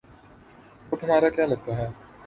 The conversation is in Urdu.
وہ تمہارا کیا لگتا ہے؟